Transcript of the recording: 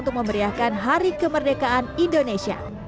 untuk memeriahkan hari kemerdekaan indonesia